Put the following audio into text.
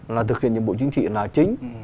là thực hiện nhiệm vụ chính trị là chính